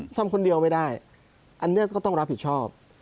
ทำคนเดียวไม่ได้อันนี้ก็ต้องรับผิดชอบ